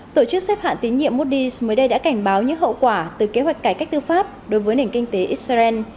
tổ chức xếp hạng tín nhiệm moody s mới đây đã cảnh báo những hậu quả từ kế hoạch cải cách tư pháp đối với nền kinh tế israel